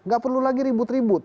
gak perlu lagi ribut ribut